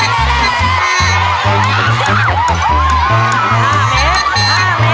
อีกละ๕เมตร